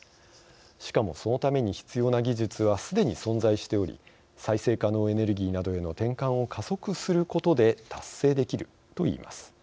しかも、そのために必要な技術はすでに存在しており再生可能エネルギーなどへの転換を加速することで達成できると言います。